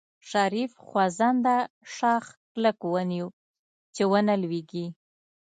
شريف خوځنده شاخ کلک ونيو چې ونه لوېږي.